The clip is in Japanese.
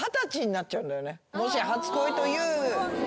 もし初恋というならば。